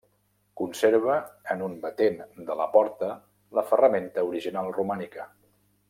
Conserva en un batent de la porta la ferramenta original romànica.